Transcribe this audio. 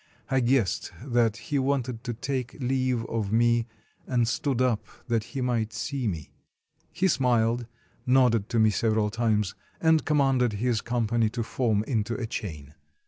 I guessed that he wanted to take leave of me, and stood up that he might see me. He smiled, nodded to me several times, and commanded his com pany to form into a chain.